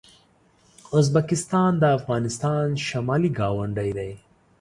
ازبکستان د افغانستان شمالي ګاونډی دی.